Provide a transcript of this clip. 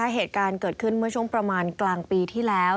เหตุการณ์เกิดขึ้นเมื่อช่วงประมาณกลางปีที่แล้ว